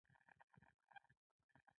پښتو باید د ټولو علومو د تدریس ژبه شي.